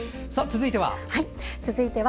続いては？